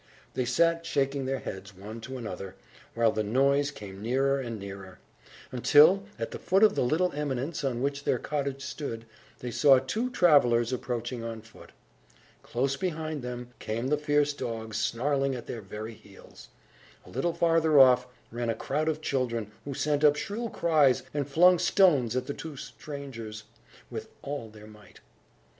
They sat shaking their heads, one to another, while the noise came nearer and nearer; until, at the foot of the little eminence on which their cottage stood, they saw two travellers approaching on foot. Close behind them came the fierce dogs, snarling at their very heels. A little farther off, ran a crowd of children, who sent up shrill cries, and flung stones at the two strangers, with all their might.